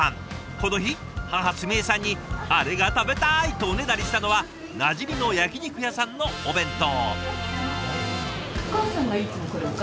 この日母澄江さんにあれが食べたいとおねだりしたのはなじみの焼き肉屋さんのお弁当。